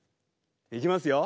いきますよ。